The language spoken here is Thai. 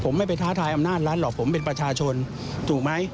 ช้าทายอำนาจรัฐหรอกผมเป็นประชาชนถูกไหม